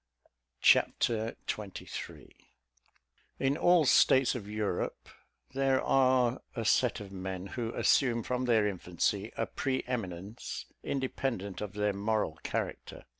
Chapter XXIII In all states of Europe, there are a set of men who assume from their infancy a pre eminence independent of their moral character.